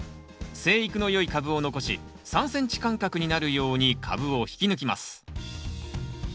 生育の良い株を残し３ｃｍ間隔になるように株を引き抜きます。